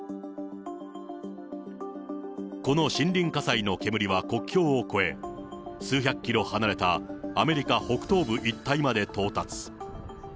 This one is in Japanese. この森林火災の煙は国境を越え、数百キロ離れたアメリカ北東部一帯まで到達。